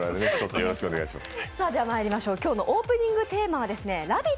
今日のオープニングテーマは「ラヴィット！」